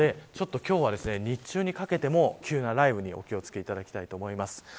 なので、今日は日中にかけても急な雷雨にお気を付けいただきたいと思います。